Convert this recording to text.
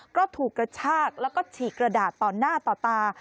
ก็ถูกกระชากแล้วก็ฉีกกระดาษต่อหน้าต่อตา